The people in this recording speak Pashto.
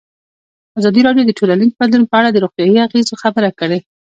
ازادي راډیو د ټولنیز بدلون په اړه د روغتیایي اغېزو خبره کړې.